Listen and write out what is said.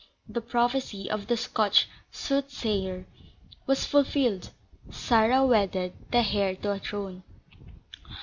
The prophecy of the Scotch soothsayer was fulfilled, Sarah wedded the heir to a throne.